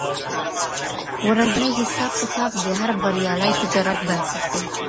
ورځنی حساب کتاب د هر بریالي تجارت بنسټ دی.